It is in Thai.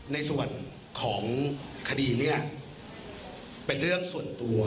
ในส่วนของคดีนี้เป็นเรื่องส่วนตัว